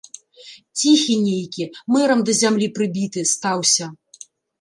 Ціхі нейкі, мэрам да зямлі прыбіты, стаўся.